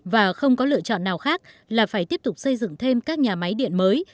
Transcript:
và không có lựa chọn nào khác là phải tiếp tục xây dựng thêm các nhà máy điện mới